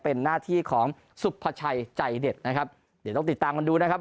เป็นหน้าที่ของสุภาชัยใจเด็ดนะครับเดี๋ยวต้องติดตามกันดูนะครับ